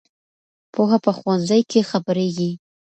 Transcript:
پوهه په ښوونځي کې خپرېږي.